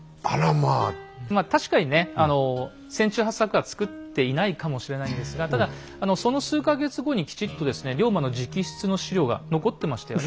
まあ確かにね船中八策は作っていないかもしれないんですがただその数か月後にきちっとですね龍馬の直筆の史料が残ってましたよね。